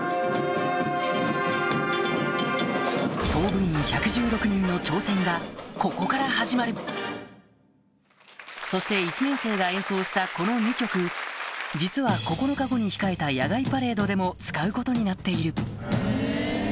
総部員１１６人の挑戦がここから始まるそして１年生が演奏したこの２曲実は９日後に控えた野外パレードでも使うことになっている